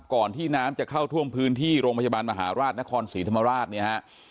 ก่อนที่น้ำจะเข้าท่วมพื้นที่โรงพยาบาลมหาราชนครศรีธรมาราช